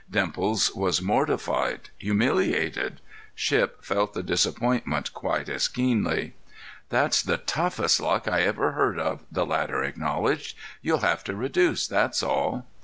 Dimples was mortified, humiliated; Shipp felt the disappointment quite as keenly. "That's the toughest luck I ever heard of," the latter acknowledged. "You'll have to reduce, that's all."